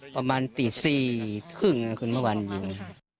ประมาณตีสี่คึ่งขึ้นเมื่อวานอีกยิง